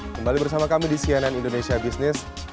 kembali bersama kami di cnn indonesia business